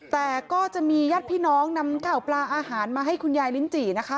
แต่ก็จะมีญาติพี่น้องนำข่าวปลาอาหารมาให้คุณยายลิ้นจี่นะคะ